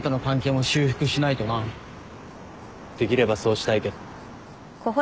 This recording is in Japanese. できればそうしたいけど。